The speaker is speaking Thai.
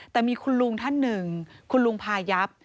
แต่มีคุณลุงท่านหนึ่งคุณลุงพายับ